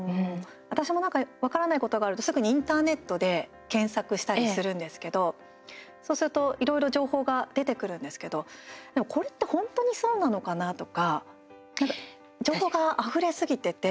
私も分からないことがあるとすぐにインターネットで検索したりするんですけどそうすると、いろいろ情報が出てくるんですけど、でもこれって本当にそうなのかな？とか、情報があふれすぎてて。